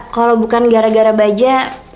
kalau bukan gara gara baja